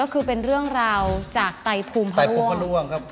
อคตายพูมพระร่วง